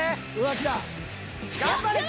頑張れ。